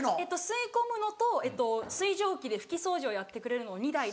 吸い込むのと水蒸気で拭き掃除をやってくれるのを２台で。